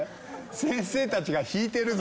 先生たちが引いてるぞ。